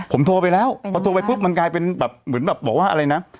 ผมโทรไปแล้วพอโทรไปปุ๊บมันกลายเป็นแบบเหมือนแบบบอกว่าอะไรนะ